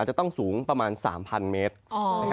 จะต้องสูงประมาณ๓๐๐เมตร